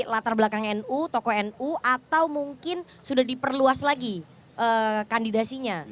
latar belakang nu tokoh nu atau mungkin sudah diperluas lagi kandidasinya